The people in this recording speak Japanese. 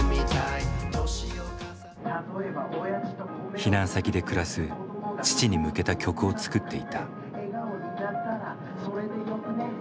避難先で暮らす父に向けた曲を作っていた。